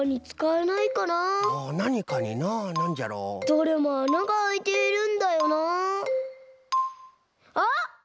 どれも「あながあいている」んだよな。あっ！